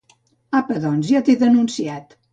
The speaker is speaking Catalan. Apa, doncs ja l'he denunciat